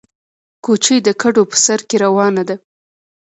کوچۍ د کډو په سر کې روانه ده